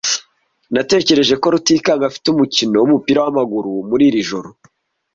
Natekereje ko Rutikanga afite umukino wumupira wamaguru muri iri joro.